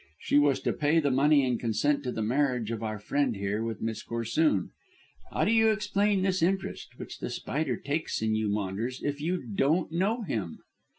She was to pay the money and consent to the marriage of our friend here with Miss Corsoon. How do you explain this interest which The Spider takes in you, Maunders, if you don't know him?"